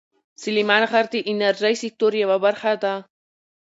سلیمان غر د انرژۍ سکتور یوه برخه ده.